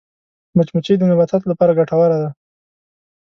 مچمچۍ د نباتاتو لپاره ګټوره ده